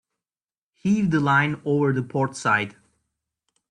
Heave the line over the port side.